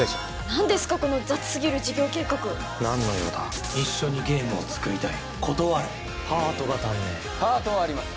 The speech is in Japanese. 何ですかこの雑すぎる事業計画・何の用だ・一緒にゲームを作りたい断るハートが足んねえハートはあります